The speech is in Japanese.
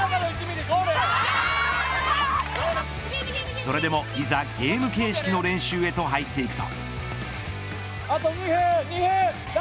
それでもいざゲーム形式の練習へと入っていくと。